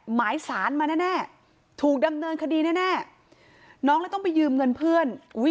หมายสารมาแน่ถูกดำเนินคดีแน่น้องเลยต้องไปยืมเงินเพื่อน